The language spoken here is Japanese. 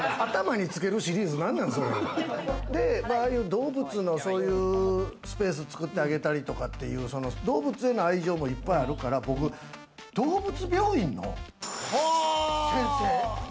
動物のそういうスペース作ってあげたりとか、動物への愛情もいっぱいあるから、動物病院の先生。